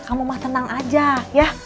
kamu tenang aja ya